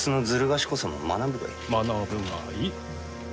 学ぶがいい。